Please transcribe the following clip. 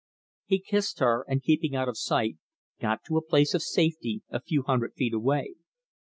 He kissed her, and, keeping out of sight, got to a place of safety a few hundred feet away.